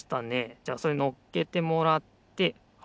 じゃあそれのっけてもらってはいはいはい。